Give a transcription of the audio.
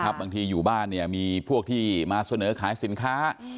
บางทีอยู่บ้านมีพวกที่มาเสนอขายสินค้า